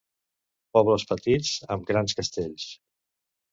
Pobles petits amb grans castells